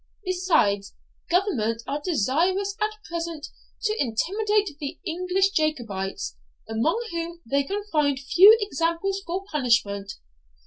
Besides, government are desirous at present to intimidate the English Jacobites, among whom they can find few examples for punishment.